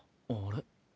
あれ？